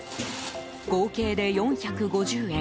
合計で４５０円。